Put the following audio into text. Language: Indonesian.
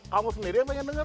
kamu sendiri yang pengen dengar